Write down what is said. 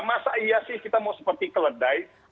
masa iya sih kita mau seperti keledai